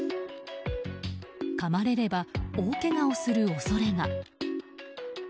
かまれれば大けがをする恐れが。